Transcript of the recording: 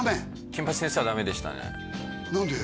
「金八先生」はダメでしたね何で？